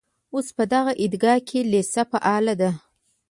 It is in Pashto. اوس په دغه عیدګاه کې لېسه فعاله ده.